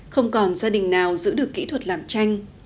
không còn gia đình nào giữ được kỹ thuật làm tranh